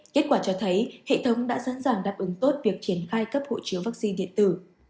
kết quả cho thấy hệ thống đã sẵn sàng đáp ứng tốt việc triển khai cấp hộ chiếu vaccine điện tử